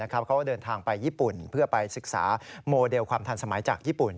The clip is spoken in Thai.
เขาก็เดินทางไปญี่ปุ่นเพื่อไปศึกษาโมเดลความทันสมัยจากญี่ปุ่น